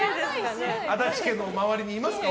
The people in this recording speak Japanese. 足立さんの周りにいますか？